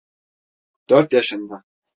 Dört yaşında.